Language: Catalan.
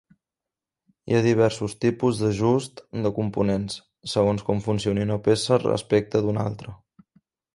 Hi ha diversos tipus d'ajust de components, segons com funcioni una peça respecte d'una altra.